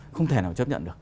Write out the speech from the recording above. không thể nào chấp nhận được